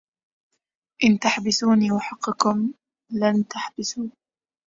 إن تحبسوني وحقكم لن تحبسوا